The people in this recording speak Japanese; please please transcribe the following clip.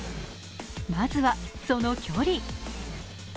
まずは、その距離。